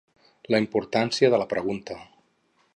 La importància de la pregunta.